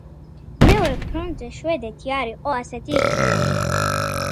მეორე ფრონტზე შვედეთი არ იყო ასეთი იღბლიანი.